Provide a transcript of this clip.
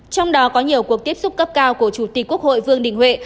trong đó có nhiều cuộc tiếp xúc cấp cao của chủ tịch quốc hội vương đình huệ